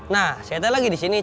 nah saya tahu lagi di sini